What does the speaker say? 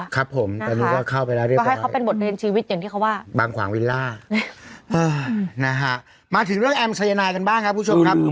ครับผมแต่นี้ก็เข้าไปแล้วเรียบร้อยบางขวางวิลล่านะฮะมาถึงเรื่องแอมสัญญาณายังบ้างครับคุณผู้ชมครับ